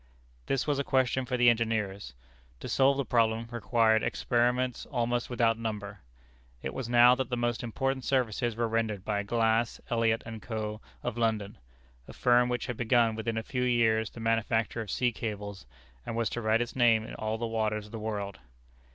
This was a question for the engineers. To solve the problem, required experiments almost without number. It was now that the most important services were rendered by Glass, Elliot & Co., of London, a firm which had begun within a few years the manufacture of sea cables, and was to write its name in all the waters of the world.